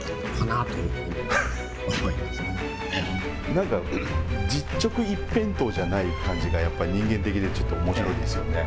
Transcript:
なんか実直一辺倒じゃない感じがやっぱり人間的でおもしろいですよね。